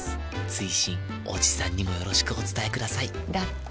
追伸おじさんにもよろしくお伝えくださいだって。